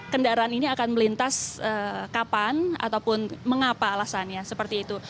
kendaraan ini akan melintas kapan ataupun mengapa alasannya seperti itu